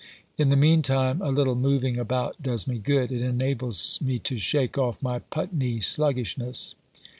In the meantime a little moving about does me good. It enables me to shake off my Putney sluggish ness."